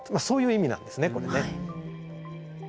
そういう意味なんですね